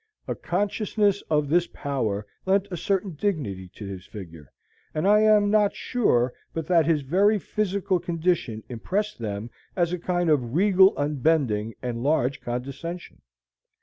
A consciousness of this power lent a certain dignity to his figure, and I am not sure but that his very physical condition impressed them as a kind of regal unbending and large condescension.